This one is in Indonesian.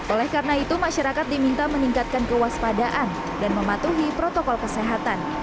oleh karena itu masyarakat diminta meningkatkan kewaspadaan dan mematuhi protokol kesehatan